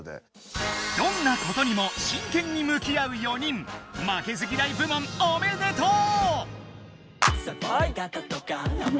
どんなことにもしんけんにむき合う４人負けず嫌い部門おめでとう！